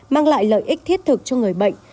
mang lại lợi ích thiết thực cho người bệnh